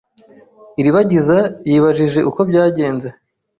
Iribagiza yibajije uko byagenze.